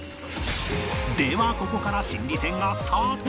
ではここから心理戦がスタート